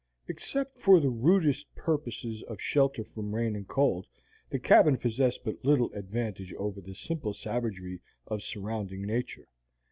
Except for the rudest purposes of shelter from rain and cold, the cabin possessed but little advantage over the simple savagery of surrounding nature.